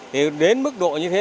với mức độ như thế